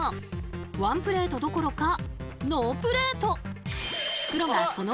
ワンプレートどころかノープレート！